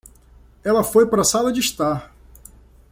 Ela foi para a sala de estar